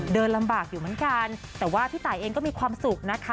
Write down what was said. เดินลำบากอยู่เหมือนกันแต่ว่าพี่ตายเองก็มีความสุขนะคะ